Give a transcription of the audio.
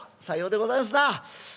「さようでございますな。